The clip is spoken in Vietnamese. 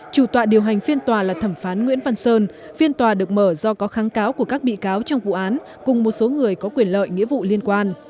chủ tọa điều hành phiên tòa là thẩm phán nguyễn văn sơn phiên tòa được mở do có kháng cáo của các bị cáo trong vụ án cùng một số người có quyền lợi nghĩa vụ liên quan